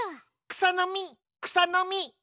くさのみくさのみ！